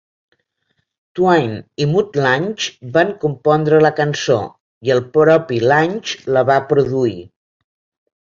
Twain y Mutt Lange van compondre la cançó i el propi Lange la va produir.